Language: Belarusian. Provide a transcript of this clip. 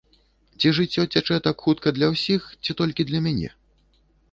Ці жыццё цячэ так хутка для ўсіх, ці толькі для мяне?